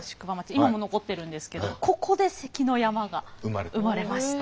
今も残ってるんですけどここで「関の山」が生まれました。